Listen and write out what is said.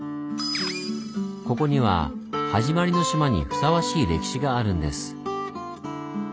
ここには「はじまりの島」にふさわしい歴史があるんです。